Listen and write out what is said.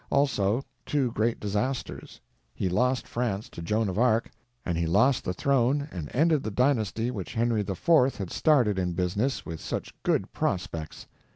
Also two great disasters: he lost France to Joan of Arc and he lost the throne and ended the dynasty which Henry IV. had started in business with such good prospects.